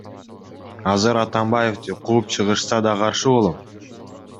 Азыр Атамбаевди кууп чыгышса да каршы болом.